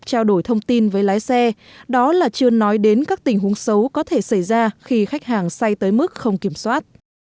trao đổi thông tin với lái xe đó là chưa nói đến các tình huống xấu có thể xảy ra khi khách hàng say tới mức không kiểm soát